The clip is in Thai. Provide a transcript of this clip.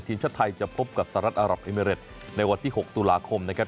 ทีมชาติไทยจะพบกับสหรัฐอารับเอเมริตในวันที่๖ตุลาคมนะครับ